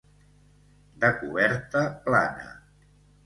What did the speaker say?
De coberta plana.